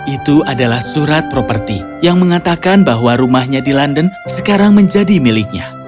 itu adalah surat properti yang mengatakan bahwa rumahnya di london sekarang menjadi miliknya